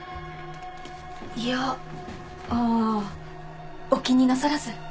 いやあお気になさらず。